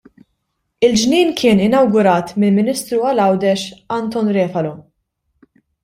Il-ġnien kien inawgurat mill-Ministru għal Għawdex Anton Refalo.